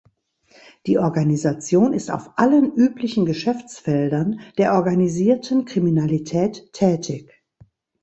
Die Organisation ist auf allen üblichen Geschäftsfeldern der organisierten Kriminalität tätig.